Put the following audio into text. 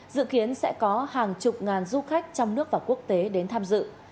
dự kiến sẽ có hàng chục ngàn du khách trong nước và quốc tế đến tham dự